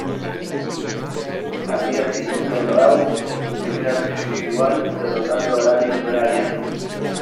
Al día siguiente en Raw su primera lucha individual, derrotando a Daniel Bryan.